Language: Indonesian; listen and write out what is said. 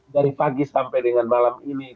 dari pagi sampai dengan malam ini